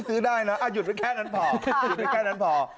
๑๗ซื้อได้นะหยุดไว้แค่นั้นพอ